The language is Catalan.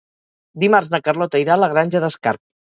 Dimarts na Carlota irà a la Granja d'Escarp.